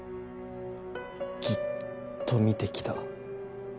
ずっと見てきた。